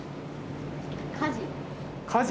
火事。